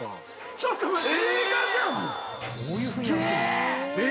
ちょっと待って。